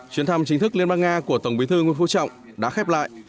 chuyến thăm chính thức liên bang nga của tổng bí thư nguyễn phú trọng đã khép lại